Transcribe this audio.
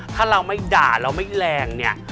ถ้าเราไม่ด่าเราไม่แรงเนี่ย